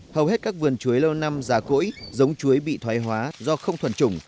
hầu hết các vườn chuối lâu năm già cỗi giống chuối bị thoái hóa do không thuần trùng